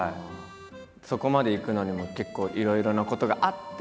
そこまでいくのにも結構いろいろなことがあって？